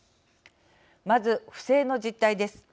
まず、不正の実態です。